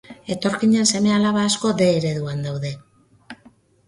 Etorkinen seme-alaba asko D ereduan daude.